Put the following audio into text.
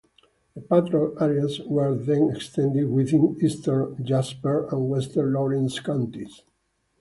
The patrol areas were then extended within eastern Jasper and western Lawrence Counties.